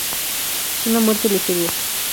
Una muerte misteriosa.